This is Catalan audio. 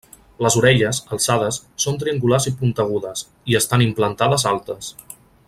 Les orelles, alçades, són triangulars i puntegudes, i estan implantades altes.